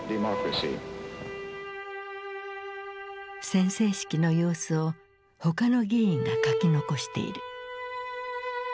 宣誓式の様子を他の議員が書き残している。